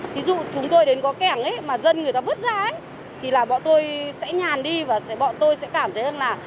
thí dụ chúng tôi đến có kèn ấy mà dân người ta vứt ra ấy thì là bọn tôi sẽ nhàn đi và bọn tôi sẽ cảm thấy là